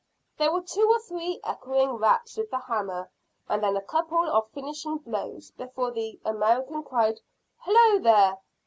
There were two or three echoing raps with the hammer, and then a couple of finishing blows, before the American cried "Hallo, there!"